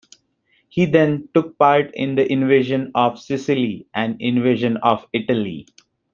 He then took part in the invasion of Sicily and invasion of Italy.